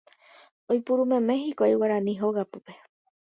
Oiporumeme hikuái guarani hogapýpe.